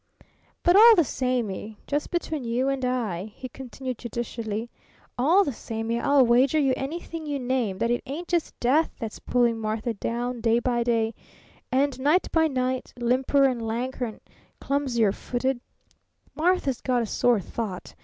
"But all the samey, just between you and I," he continued judicially, "all the samey, I'll wager you anything you name that it ain't just death that's pulling Martha down day by day, and night by night, limper and lanker and clumsier footed. Martha's got a sore thought.